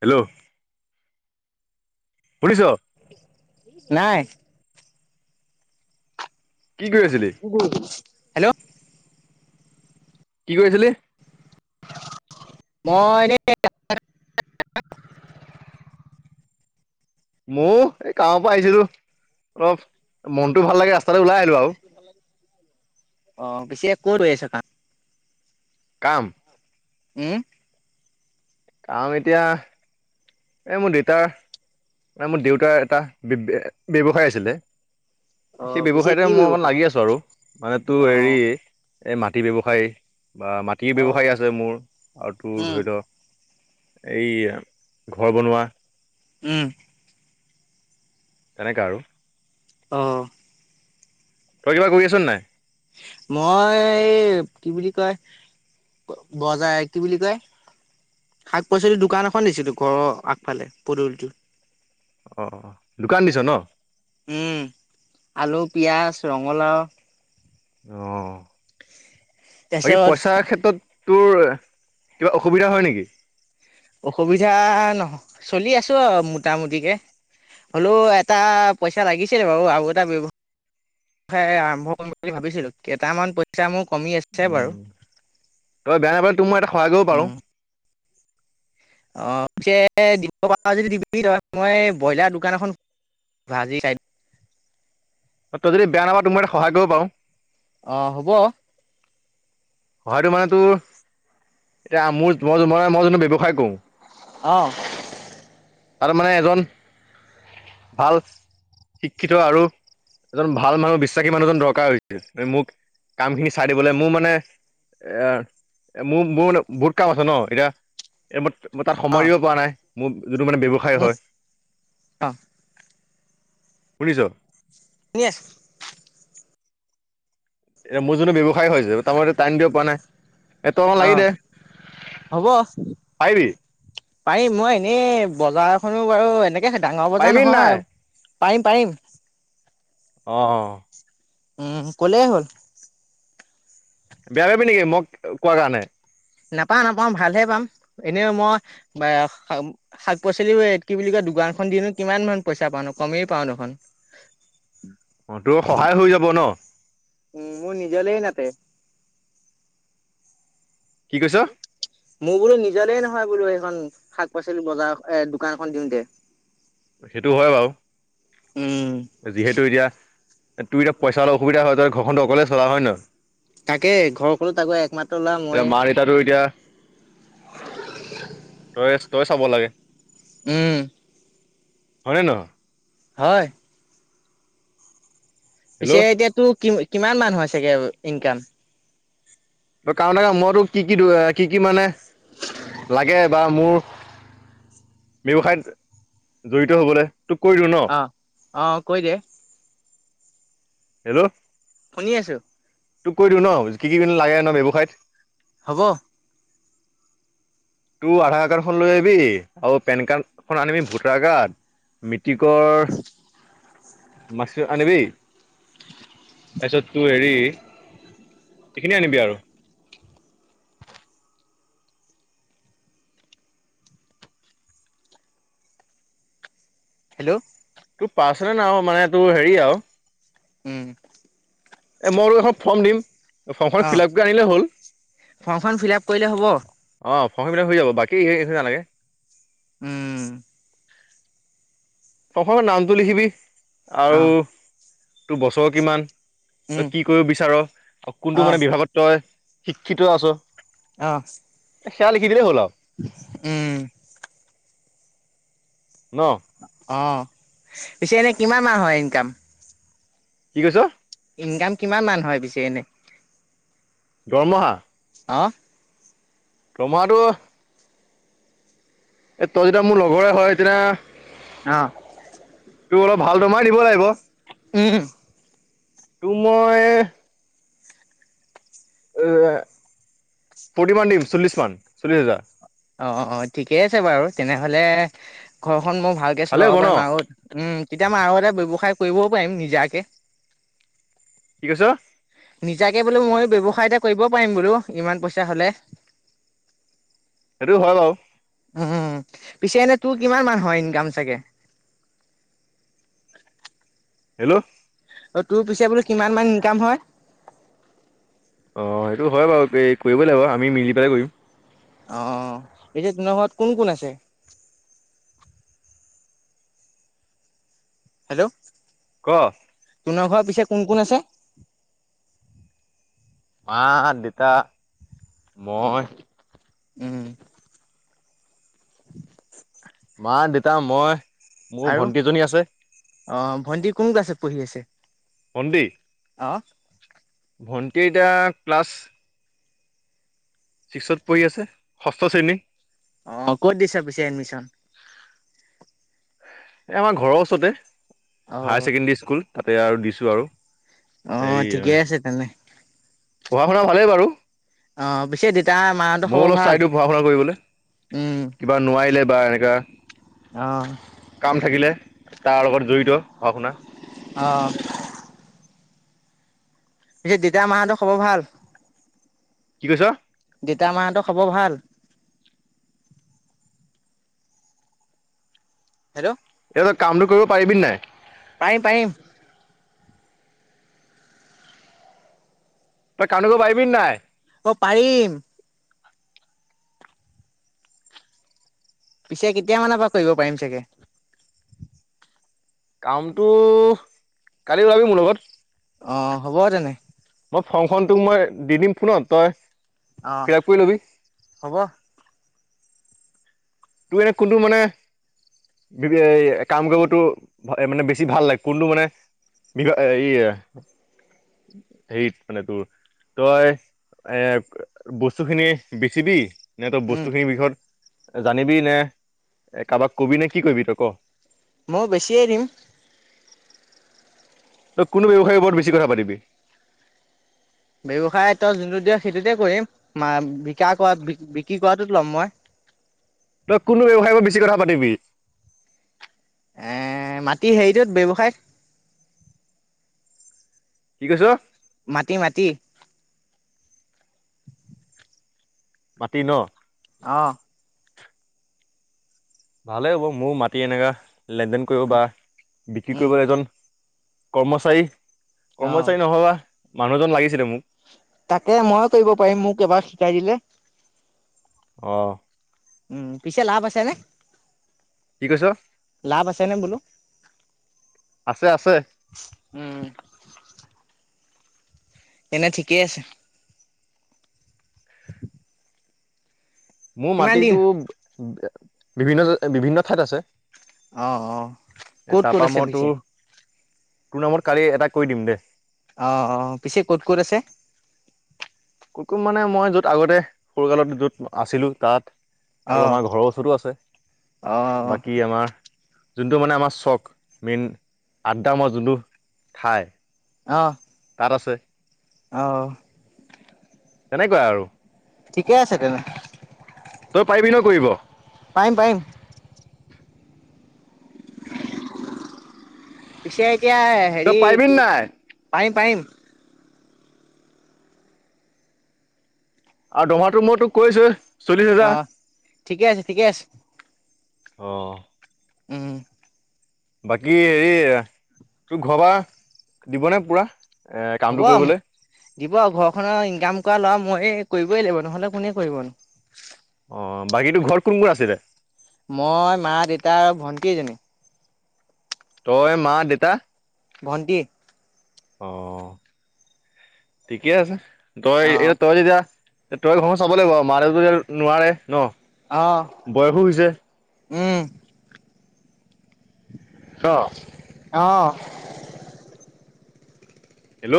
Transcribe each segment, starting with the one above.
Hello শুনিছ? নাই। কি কৰি আছিলি? হেল্ল' কি কৰিছিলি? মই এনেই মোৰ এই কামৰ পৰা আহিছিলো। অলপ মনটো ভাল লাগে ৰাস্তাতে ওলাই আহিলো আও। অ' পিছে ক'ত হৈ আছে কাম? কাম উম কাম এতিয়া এই মোৰ দেউতাৰ মোৰ দেউতাৰ এটা ব্যৱসায় আছিলে অ সেই পিছে ব্যৱসায়তে কি মই অকমান ব্যৱসায় লাগি আছো আৰু, মানে তোৰ অ হেৰি এই মাটি ব্যৱসায়ী বা মাটিৰ অ ব্যৱসায়ী আছে মোৰ আৰু তোৰ উম ধৰি ল এই ঘৰ বনোৱা উম তেনেকা আৰু। অ'। তই কিবা কৰি আছ নাই? মই এই কি বুলি কি কয় বজাৰ কি বুলি কয় শাক পাচলিৰ দোকান এখন দিছিলো ঘৰৰ আগফালে পদূলিটোত। অ'। দোকান দিছ ন? উম আলু, পিয়াজ, ৰঙালাও অ' আৰু তাৰপিছত পইচাৰ ক্ষেত্ৰত তোৰ কিবা অসুবিধা হয় নেকি? অসুবিধা নহয় চলি আছো আৰু মোটামুটিকে হলেও এটা পইচা লাগিছিল বাৰু আৰু এটা ব্যৱ আৰম্ভ কৰিম বুলি ভাবিছিলোঁ কেইটামান পইচা মোক উম তই বেয়া নাপালে তোৰ মই এটা সহায় কৰিব উম পাৰো। অ' পিছে দিব পাৰ যদি দিবি তই মই ব্ৰইলাৰ দোকান এখন ভাজি খাই অ', তই যদি বেয়া নাপাৱ তোক মই এটা সহায় কৰিব পাৰোঁ। অ', হ'ব। সহায়টো মানে তোৰ, এতিয়া মোৰ মই-মই-মই জোনটো ব্যৱসায় কৰোঁ। অ', তাতে মানে এজন, ভাল শিক্ষিত আৰু এজন ভাল মানুহ, বিশ্বাসী মানুহ এজন দৰকাৰ হৈছে, মোক কাম খিনি চাই দিবলে, মোৰ মানে এ', এ', মোৰ-মোৰ মানে বহুত কাম আছে ন! এতিয়া মই তাত সময় দিব পৰা নাই, মোৰ যিটো মানে ব্যৱসায় হয়। শুনিছ? শুনি আছোঁ। এতিয়া মোৰ যোনটো ব্যৱসায় হয় যে, তাৰ মতে টাইম দিব পৰা নাই। এ তই অকণ লাগি দে অ', হ'ব, পাৰিবি পাৰিম মই। এ', বজাৰ এখনো বাৰু, এনেকে ডাঙৰ বজাৰ পাৰিবি নাই নহয়। পাৰিম, পাৰিম। অ', উম, ক'লেই হ'ল। বেয়া পাবি নেকি মোক কোৱা কাৰণে? নাপাওঁ, নাপাওঁ ভালহে পাম। এনেও মই বে শাক পাচলিও এত কি বুলি কয় দোকানখন দিনো কিমানমান পইচা পাওঁনো, কমেই পাওঁ দেখোন। অ' তোৰ সহায় হৈ যাব ন। উম', মোৰ নিজলেই নাতে। কি কৈছ? মোৰ বোলো নিজলেই নহয় বোলো সেইখন, শাক পাচলি বজাৰ এ', দোকানখন দিওঁতে। সেইটো হয় বাৰু। উম যিহেতু এতিয়া, তোৰ এতিয়া পইচাৰ অলপ অসুবিধা হয়, তই ঘৰখনটো অকলে চলাৱ, হয় নে নহয়? তাকেই, ঘৰখনো তাকো একমাত এতিয়া, মা দেতাটো এতিয়া তইয়ে তই চাব লাগে। উম। হয় নে নহয়? হয়। হেল্ল' পিছে এতিয়া তোৰ কি কিমান মানুহ আছেগে ইনকাম? কাৰণেকা-মইতো কি কি-দু-কি কি মানে, লাগে বা মোৰ? ব্যৱসায়ত জড়িত হবলৈ। তোক কৰি দিওঁ ন? অ', অ', কৈ দে? হেল্ল'। শুনি আছোঁ। তোক কৈ দিওঁ ন, কি কি কিনো লাগে ন ব্যৱসায়ত। হ'ব তোৰ আধাৰ কাৰ্ডখন লৈ আহিবি আৰু পেন কাৰ্ড খন আনিবি, ভোটাৰ কাৰ্ড মেট্ৰিকৰ মাৰ্কচিট আনিবি। তাৰপিছত তোৰ হেৰি এইখিনিয়ে আনিবি আৰু হেল্ল'। তোৰ পাৰ্চনেল আৰু, মানে তোৰ হেৰি আৰু উম, এই মই তোক এখন ফৰ্ম দিম। ফৰ্মখন অ', ফিল আপ কৰি আনিলেই হ'ল, ফৰ্মখন ফিল আপ কৰিলে হ'ব? অ'। ফৰ্মখন ফিলআপ হৈ যাব, বাকী সেই একো নালাগে? উম, প্ৰথমে নামটো লিখিবি আৰু অ', তোৰ বছৰ কিমান উম, তই কি কৰিব বিচাৰ কোনটো অ', মানে বিভাগত তই শিক্ষিত আছ। আহ। শাহ লিখি দিলে হল আৰু। উম। ন অ' পিছে এনে কিমান মাহ হয় ইনকাম? কি কৈছ? ইনকাম কিমান মান হয় পিছে এনে? দৰমহা? অ'। দৰমহাটো এ তই যেতিয়া মোৰ লগৰে হয় তেতি আহ। তোৰ অলপ ভাল দৰমহাই দিব লাগিব। উম। ত মই এ ফৰ্টি মান দিম চল্লিছ মান চল্লিছ হেজাৰ। অ' অ' ঠিকেই আছে বাৰু তেনেহলে ঘ মই ভালকে ভালেই চলাব হ'ব ন পাৰিম আৰু উম তেতিয়া মই আৰু এটা ৱ্যৱসায় কৰিবও পাৰিম নিজাকে। কি কৈছ নিজাকে বোলো মই ব্যৱসায় এটা কৰিব পাৰিম বোলো ইমান পইচা হ'লে হটো হয় বাৰু উম পিছে এনে তোৰ কিমান মানু হয় ইনকাম চাগে। হেল্ল' অ 'তোৰ পিছে বোলেো কিমান মান ইনকাম হয়। অ' সেইটো হয় বাৰু এই কৰিবই লাগিব আমি মিলি পেলাই কৰিম অ 'এ যেয়া তোমাৰ ঘৰত কোন কোন আছে হেল্ল' ক তনৰ ঘৰৰ পিছে কোন কোন আছে। মা দেতা মই উম, মা দেতা মই মোৰ আৰু ভন্টিজনী আছে। অ ভণ্টি কোন আছে পঢ়ি আছে। অন্দি অ' ভণ্টি এতিয়া ক্লাছ ছিক্সত পৰিঢ়ি আছে ষষ্ঠ শ্ৰেণী অ 'ক'ত দিছ পিছে এডমিশন এ আমাৰ ঘৰৰ ওচৰতে অ হায়াৰ ছেকেণ্ডৰী স্কুল তাতে আৰু দিছো আৰু অ এই ঠিকে আছে তেনে পঢ়া শুনা ভালেই বাৰু অ পিছে দেউতা মাহঁতৰ ময়ও খবৰ অলপ ভাল চাই দিওঁ পঢ়া শুনা কৰিবলৈ কিবা নোৱাৰিলে বা এনেকা আহ। কাম থাকিলে তাৰ লগত জড়িত পঢ়া শুনা। অ' পিছে দেতা মাহতো খবৰ ভাল। কি কৈছ। তা মাহতটো খাব ভাল। হেল্ল' এই কামটো কৰিব পাৰিবি নাই পাৰিম পাৰিম তই [inaudible] পাৰিবি নাই অ পাৰিম পিছে কেতিয়া মানৰ পৰা কৰিব পাৰিম চাগে। কামটো কালি ওলাবি মোৰ লগত। অ হ'ব তেনে। মই ফংখন তোক মই দি দিম ফোনত তই অ' ফিল আপ কৰি ল'বি হ'ব তোৰ এনে কোনটো মানে। এ কাম কৰিবতো মানে বেছি ভাল লাগে কোনটো মানে এই সেইত মানে তোৰ। তই এ বস্তু খিনি বেচিব নে তই উম বস্তুখিনিৰ বিষয়ত জানিবি নে কাৰোবাক কবি নে কি কৰিবি তই ক? মই বেছিয়ে দিম। তই কোনতো ব্যৱসায়ৰ ওপৰত বেছি কথা পাতিবি? ব্যৱসায় তই যোনটো দিয় সেইটোতে কৰিম বিকাচ হোৱা বিক্ৰী কৰাটোত ল'ম মই। তই কোনতো ব্যৱসায়ৰ ওপৰত বেছি কথা পাতিবি? এ' মাটি হেৰিটোত ব্যৱসায়। কি কৈছ মাটি-মাটি। মাতি ন? অ'। ভালেই হ'ব মোৰ মাটি এনেকুৱা লেনদেন কৰিব পৰা বিক্ৰী উম কৰিবলৈ এজন কৰ্মচাৰী অ' কৰ্মচাৰী নহবা মানুহজন লাগিছিলে মোক। তাকে ময় কৰিব পাৰিম মোক এবাৰ শিকাই দিলে। অ'। উম, পিছে লাভ আছে নে কি কৈছ লাভ আছে নে বোলো। আছে-আছে। উম এনে ঠিকেই আছে। মোৰ কিমান দিন মাটিতো বিভিন্ন ঠাইত আছে। অ', অ' ক'ত ক'ত তাৰপা আছে মই পিছে? তোৰ তোৰ নামত কালি এটা কৰি দিম দে। অ', অ' পিছে ক'ত, ক'ত আছে? কত-কত মানে মই য'ত আগতে সৰুকালত য'ত আছিলো তাত। আৰু অ' আমাৰ ঘৰৰ ওচৰতো আছে অ' বাকী আমাৰ যোনটো মানে আমাৰ চখ মেইন আড্ডা মমৰ যোনটো ঠাই অ'। তাত আছে। অ'। তেনেকুৱা আৰু। ঠিকে আছে তেনে। তই পাৰিবি ন কৰিব? পাৰিম পাৰিম [inaudible] পিছে এতিয়া তই হেৰি পাৰিবি নাই পাৰিম-পাৰিম। আৰু দৰমহা তো ময় টোক কৈছোয়ে। অ' ঠিকে আছে ঠিকে আছে। অ'। উম। বাকী হেৰি তোক ঘৰপা দিবনে পুৰা? এ হ'ব কামটো কৰিবলৈ দিব আৰু ঘৰ খনৰ কাম কৰা ল'ৰা মইয়ে কৰিবই লাগিব নহ'লে কোনে কৰিবনো। অ' বাকীটোৰ ঘৰত কোন কোন আছে? মই মা, দেউতা আৰু ভন্টি এজনী। তই মা দেউতা ভণ্টি। অ' ঠিকে আছে তই অ এই তই যেতিয়া তই ঘৰ চাব লাগিব মা দেউতাই নোৱাৰে ন অ বয়সো হৈছে। উম। অ'। অ'। হেল্ল'!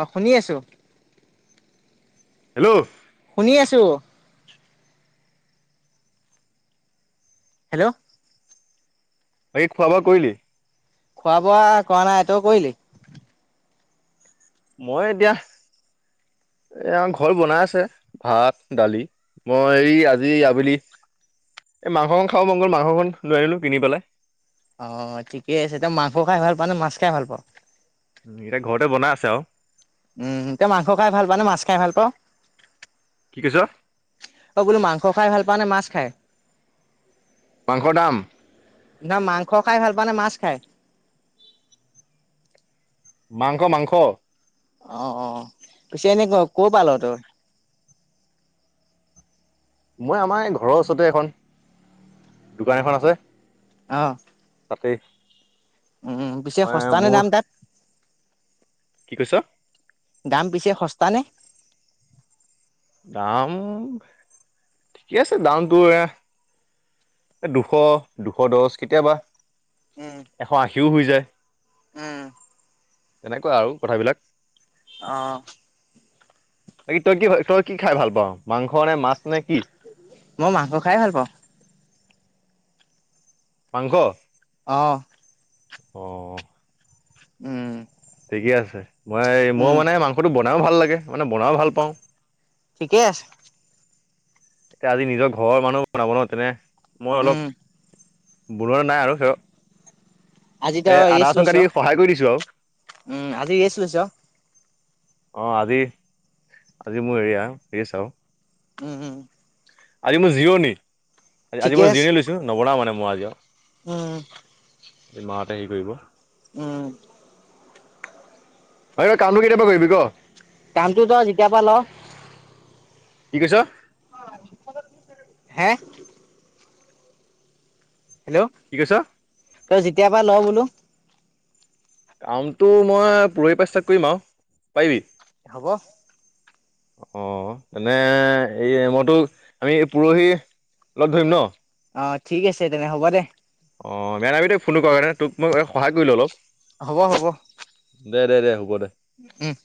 অ' শুনি আছো। হেল্ল'! শুনি আছো। হেল্ল'! বাকী, খোৱা-বোৱা কৰিলি? খোৱা-বোৱা কৰা নাই। তই কৰিলি? মই এতিয়া এয়া ঘৰত বনাই আছে ভাত, দালি। মই এই আজি আবেলি এই মাংস অকন খাব মন গল, মাংস অকন লৈ আনিলো কিনি পেলাই। অ' ঠিকেই আছে, এতিয়া মাংস খাই ভাল পোৱা নে মাছ খাই ভাল পোৱা? উম, এতিয়া ঘৰতে বনাই আছে আৰু। উম, তই মাংস খাই ভাল পাৱ নে মাছ খাই ভাল পাৱ? কি কৈছ? অ বোলো মাংস খাই ভাল পাওঁ নে মাছ খাই? মাংস দাম। না মাংস খাই ভাল পাওঁ নে মাছ খাই? মাংস মাংস। অ অ পিছে এনে ক ক পা ল তই? মই আমাৰ এই ঘৰৰ ওচৰতে এখন দোকান এখন আছে। অহ। তাতে উম পিছে সস্তা নে দাম তাত? কি কৈছ? দাম পিছে সস্তা নে? দাম ঠিকে আছে দাম তোৰ এ এ দুশ দুশ দহ কেতিয়াবা উম এশ আশীও হৈ যায়। উম এনেকুৱা আৰু কথাবিলাক। অ। বাকী তই কি তই কি খাই ভাল পাওঁ মাংস নে মাছ নে কি? মই মাংস খাই ভাল পাওঁ। মাংখ অ। অ। উম। ঠিকে আছে মই মই উম মানে মাংসটো বনাইয়ো ভাল লাগে মানে বনাই ভাল পাওঁ। ঠিকেই আছে। এতিয়া আজি নিজৰ ঘৰৰ মানুহ বনাব ন তেনে, মই উম অলপ বৰোৱা নাই আৰু হেয়। আজি এ তই আদা ৰেষ্ট ৰচুন লৈছ কাটি সহায় কৰি দিছোঁ আৰু। উম আজি ৰেষ্ট লৈছ অ আজি, আজি মোৰ এৰিয়া এ চাওঁ। উম উম। আজি মোৰ জিৰণি, আজি ঠিকে মই আছে জিৰণি লৈছো। নবনাওঁ মানে মই আজিও। উম। মাহঁতে হেৰি কৰিব। উম। অই তই কামটো কেতিয়াৰ পৰা কৰিবি ক? কামটো ত‌ই যেতিয়াৰ পৰা ল। কি কৈছ? হে? হেল্ল' কি কৈছ তই যেতিয়াৰ পৰা ল বোলো। কামটো মই পৰহি পৰা ষ্টাৰ্ট কৰিম আৰু, পাৰিবি? হ'ব অ এনে এই মইতো আমি এই পৰহি লগ ধৰিম ন অ ঠিক আছে তেনে হ'ব দে অ বেয়া নাপাবি দে ফোনটো কৰ কাৰণে তোক মই সহায় কৰিলো অলপ হ'ব হ'ব দে দে হ'ব দে উম